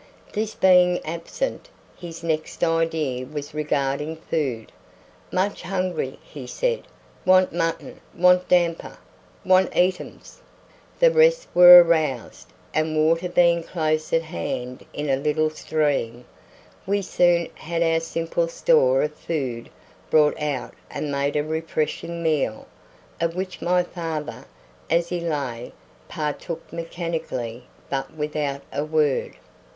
This being absent, his next idea was regarding food. "Much hungry," he said, "want mutton, want damper, want eatums." The rest were aroused, and, water being close at hand in a little stream, we soon had our simple store of food brought out and made a refreshing meal, of which my father, as he lay, partook mechanically, but without a word.